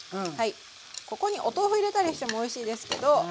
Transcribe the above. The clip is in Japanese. ここにお豆腐入れたりしてもおいしいですけど。